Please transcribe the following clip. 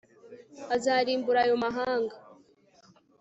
azarimbura ayo mahanga